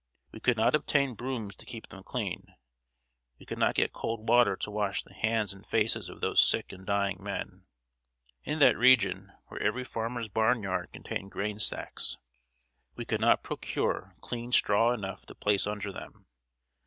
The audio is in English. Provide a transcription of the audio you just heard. We could not obtain brooms to keep them clean; we could not get cold water to wash the hands and faces of those sick and dying men. In that region, where every farmer's barn yard contained grain stacks, we could not procure clean straw enough to place under them.